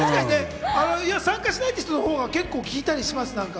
参加しないって人のほうが聞いたりします。